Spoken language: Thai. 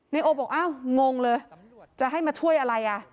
นายโอบอกอ้าวงงเลยจะให้มาช่วยอะไรอ่ะ